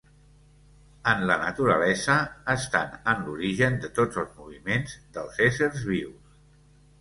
En la naturalesa, estan en l'origen de tots els moviments dels éssers vius.